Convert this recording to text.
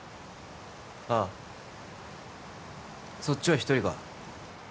ああそっちは一人か？